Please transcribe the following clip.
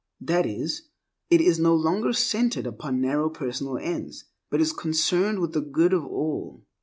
That is, it is no longer centered upon narrow personal ends, but is concerned with the good of all.